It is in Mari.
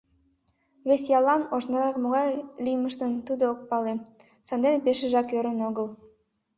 Вес яллан ожнырак могай лиймыштым тудо ок пале, сандене пешыжак ӧрын огыл.